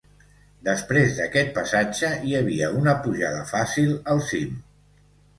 Després d'aquest passatge hi havia una pujada fàcil al cim.